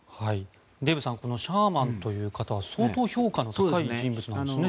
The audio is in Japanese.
デーブさんシャーマンという方は相当評価の高い人物なんですね。